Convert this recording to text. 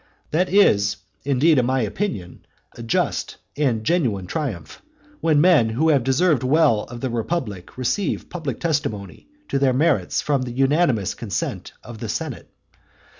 That is indeed in my opinion a just and genuine triumph, when men who have deserved well of the republic receive public testimony to their merits from the unanimous consent of the senate.